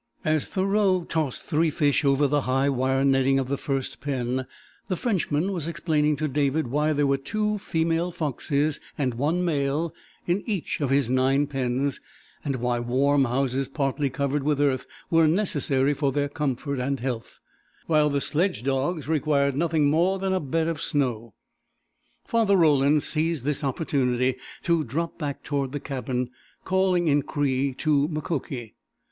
As Thoreau tossed three fish over the high wire netting of the first pen the Frenchman was explaining to David why there were two female foxes and one male in each of his nine pens, and why warm houses partly covered with earth were necessary for their comfort and health, while the sledge dogs required nothing more than a bed of snow. Father Roland seized this opportunity to drop back toward the cabin, calling in Cree to Mukoki.